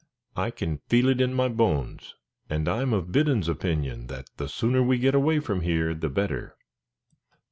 I can feel it in my bones, and I'm of Biddon's opinion that the sooner we get away from here the better."